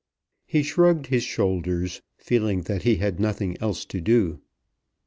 He shrugged his shoulders, feeling that he had nothing else to do.